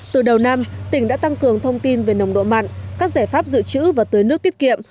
từ đầu năm tỉnh đã tăng cường thông tin về nồng độ mặn các giải pháp dự trữ và tưới nước tiết kiệm